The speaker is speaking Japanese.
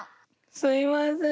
すいません。